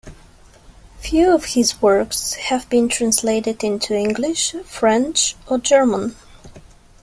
Few of his works have been translated into English, French or German.